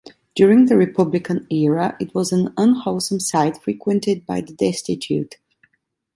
During the Republican era, it was an unwholesome site frequented by the destitute.